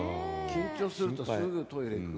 緊張するとすぐトイレ行く。